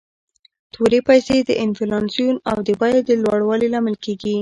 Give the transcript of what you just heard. تورې پیسي د انفلاسیون او د بیو د لوړوالي لامل کیږي.